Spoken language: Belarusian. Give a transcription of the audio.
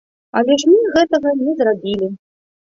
Але ж мы гэтага не зрабілі.